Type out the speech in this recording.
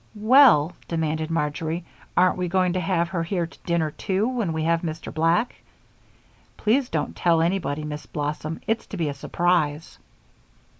"Well," demanded Marjory, "aren't we going to have her here to dinner, too, when we have Mr. Black? Please don't tell anybody, Miss Blossom it's to be a surprise."